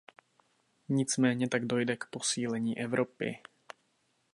Nicméně tak dojde k posílení Evropy.